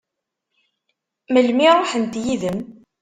Melmi i ṛuḥent yid-m?